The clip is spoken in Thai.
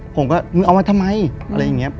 ผมก็มึงเอามาทำไมอะไรอย่างนี้